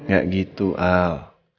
gak gitu al